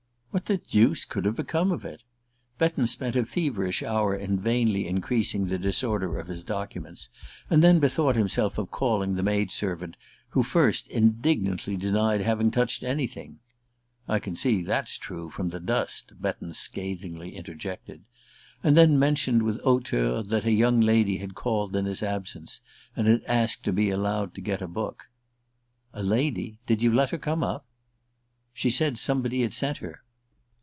What the deuce could have become of it? Betton spent a feverish hour in vainly increasing the disorder of his documents, and then bethought himself of calling the maid servant, who first indignantly denied having touched anything ("I can see that's true from the dust," Betton scathingly interjected), and then mentioned with hauteur that a young lady had called in his absence and asked to be allowed to get a book. "A lady? Did you let her come up?" "She said somebody'd sent her."